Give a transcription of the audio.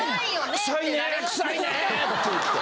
臭いね臭いねって言って。